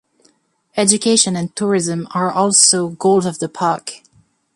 Education and tourism are also goals of the park.